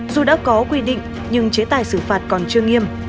dù đã có quy định nhưng chế tài xử phạt còn chưa nghiêm